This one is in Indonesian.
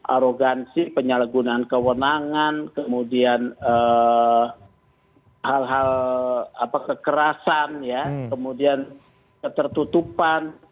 arogansi penyalahgunaan kewenangan kemudian hal hal kekerasan ya kemudian ketertutupan